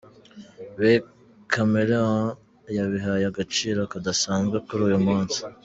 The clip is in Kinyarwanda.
be, Chameleone yabihaye agaciro kadasanzwe kuri uyu munsi.